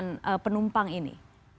untuk arus kedatangan penumpang ini